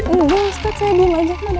udah ustaz saya diunggah jaman ustaz